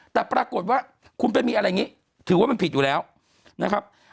แต่ปรากฏว่าคุณไปมีอะไรอย่างนี้ถือว่ามันผิดอยู่แล้วนะครับ